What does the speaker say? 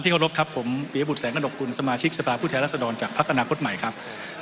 ท่านประธานที่เรียบร้ปครับผมหนกคลุมสมาชิกสภาพผู้แท้รัศนธรรมดิจังพฤฆษ์พิธานาคตใหม่ครับ